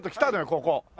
ここ。